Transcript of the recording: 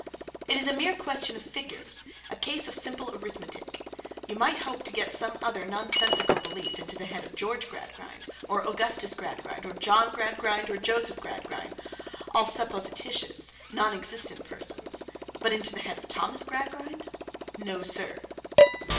It is a mere question of figures, a case of simple arithmetic. You might hope to get some other nonsensical belief into the head of George Gradgrind, or Augustus Gradgrind, or John Gradgrind, or Joseph Gradgrind (all supposititious, non existent persons), but into the head of Thomas Gradgrind—no, sir!